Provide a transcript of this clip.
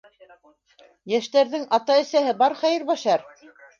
Йәштәрҙең ата-әсәһе бар, Хәйербәшәр.